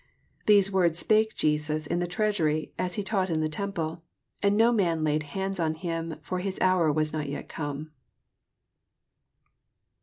20 These words spake Jesus in the treasury, as he taught in the temple; and no man laid hands on him; for his hour was not yet come.